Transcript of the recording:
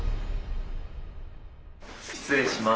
失礼します。